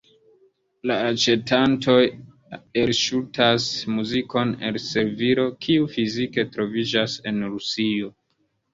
La aĉetantoj elŝutas muzikon el servilo, kiu fizike troviĝas en Rusio.